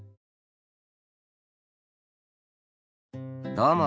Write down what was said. どうも。